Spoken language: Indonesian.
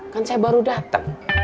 kan saya baru dateng